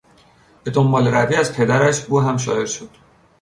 به دنبالهروی از پدرش او هم شاعر شد.